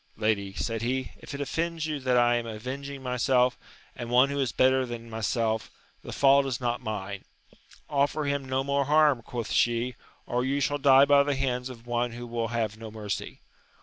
Lady, said he, if it offends you that I am avenging myself, and one who is better than myself, the fault is not mine. Offer him no more harm, quoth she, or you shall die by the hands of one who will have no mercy.